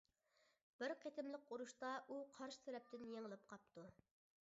بىر قېتىملىق ئۇرۇشتا ئۇ قارشى تەرەپتىن يېڭىلىپ قاپتۇ.